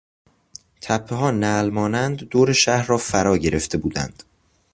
تپهها، نعل مانند دور شهر را فرا گرفته بودند.